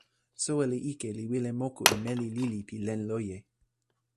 soweli ike li wile moku e meli lili pi len loje.